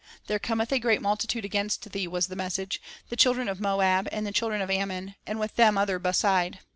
"There cometh a great multitude against thee," was the message, "the children of Moab, and the children of Amnion, and with them other beside."